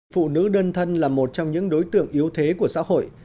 phụ nữ đơn thân là một trong những đối tượng yếu thế của xã hội